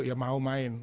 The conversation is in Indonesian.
ya mau main